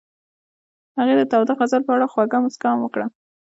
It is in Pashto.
هغې د تاوده غزل په اړه خوږه موسکا هم وکړه.